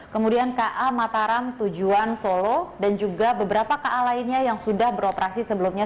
kemudian ka mataram tujuan solo dan juga beberapa ka lainnya yang sudah beroperasi sebelumnya